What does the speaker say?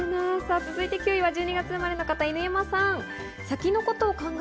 続いて９位は１２月生まれの方、犬山さん。